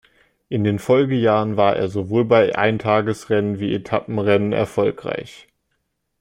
In den Folgejahren war er sowohl bei Eintagesrennen wie Etappenrennen erfolgreich.